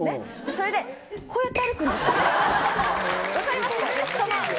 それでこうやって歩くんですよ分かります？